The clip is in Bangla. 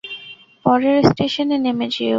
পরের স্টেশনে নেমে যেও।